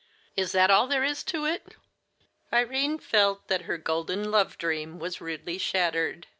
"Is that all there is to it?" Irene felt that her golden love dream was rudely shattered.